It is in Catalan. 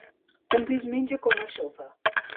També es menja com a sopa.